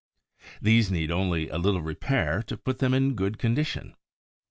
These need only a little repair to put them in good condition.